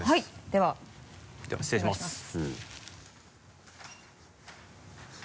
では失礼します。